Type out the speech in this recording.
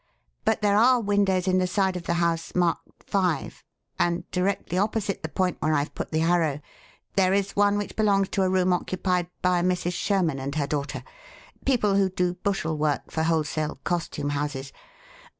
But there are windows in the side of the house marked 5; and directly opposite the point where I've put the arrow there is one which belongs to a room occupied by a Mrs. Sherman and her daughter people who do 'bushel work' for wholesale costume houses.